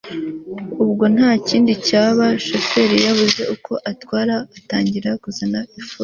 ubwo ntakindi cyabaye, shoferi yabuze uko atwara atangira kuzana ifuro